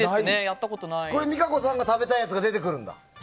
実可子さんが食べたいやつが出てくるんだ。